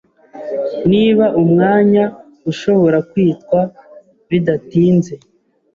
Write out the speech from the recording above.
niba umwanya ushobora kwitwa Bidatinze